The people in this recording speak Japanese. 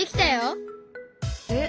えっ？